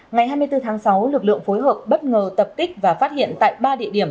ngày hai mươi bốn tháng sáu lực lượng phối hợp bất ngờ tập kích và phát hiện tại ba địa điểm